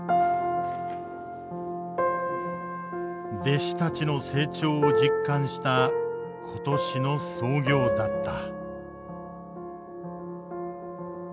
弟子たちの成長を実感した今年の操業だった。